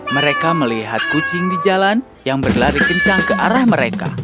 mereka melihat kucing di jalan yang berlari kencang ke arah mereka